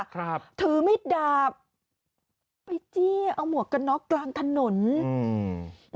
ครับถือมิดดาบไปจี้เอาหมวกกันน็อกกลางถนนอืม